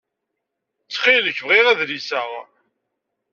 Ttxil-k bɣiɣ adlis-a.